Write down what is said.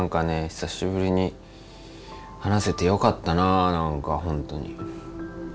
久しぶりに話せてよかったな何か本当に。